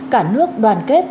cả nước đoàn kết